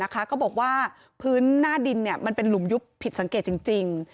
ก็บอกว่าพื้นหน้าดินมันเป็นหลุมยุบผิดสังเกตจริง